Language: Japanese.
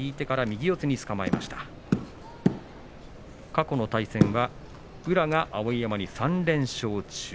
過去の対戦は宇良が碧山に３連勝中。